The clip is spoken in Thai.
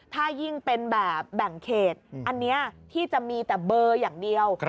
ถ้ายิ่งเป็นแบบแบ่งเขตอันนี้ที่จะมีแต่เบอร์อย่างเดียว